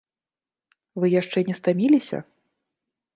Вы яшчэ не стаміліся?